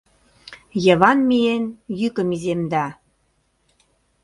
Йыван, миен, йӱкым иземда.